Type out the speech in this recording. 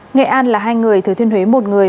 nghệ an là hai người thừa thiên huế một người